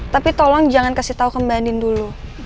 tapi tolong jangan kasih tau ke mbak andin dulu